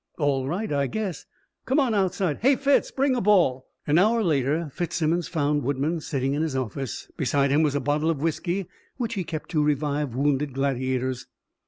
"All right, I guess." "Come on outside. Hey, Fitz! Bring a ball." An hour later Fitzsimmons found Woodman sitting in his office. Beside him was a bottle of whisky which he kept to revive wounded gladiators.